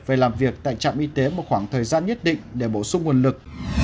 về làm việc tại trạm y tế một khoảng thời gian nhất định để bổ sung nguồn lực